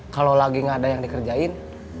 kalau lagi nggak ada yang dikerjain